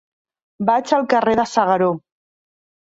Vaig al carrer de S'Agaró.